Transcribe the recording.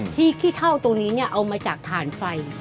ที่ขี้เท่าตรงนี้เนี่ยเอามาจากฐานไฟ